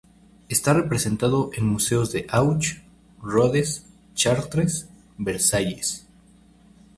Está representado en museos de Auch, Rodez, Chartres, Versailles.